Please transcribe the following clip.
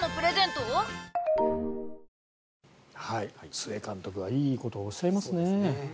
須江監督はいいことをおっしゃいますね。